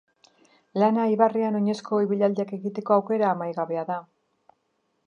Lana ibarrean oinezko ibilaldiak egiteko aukera amaigabea da.